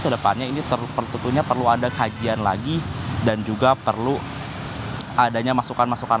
kedepannya ini tentunya perlu ada kajian lagi dan juga perlu adanya masukan masukan